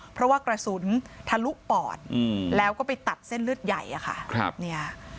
เพราะว่ากระสุนทะลุปอดแล้วก็ไปตัดเส้นเลือดใหญ่อะค่ะ